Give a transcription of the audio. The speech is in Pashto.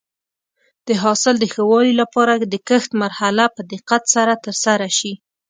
د حاصل د ښه والي لپاره د کښت مرحله په دقت سره ترسره شي.